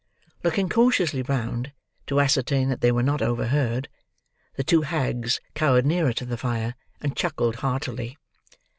Looking cautiously round, to ascertain that they were not overheard, the two hags cowered nearer to the fire, and chuckled heartily.